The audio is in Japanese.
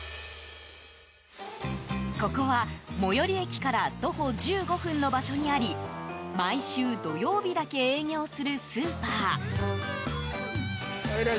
ここは最寄り駅から徒歩１５分の場所にあり毎週土曜日だけ営業するスーパー。